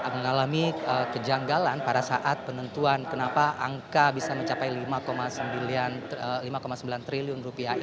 mengalami kejanggalan pada saat penentuan kenapa angka bisa mencapai lima sembilan triliun rupiah ini